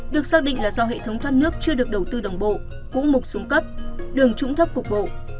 được xác định là do hệ thống thoát nước chưa được đầu tư đồng bộ cũng mục xuống cấp đường trũng thấp cục bộ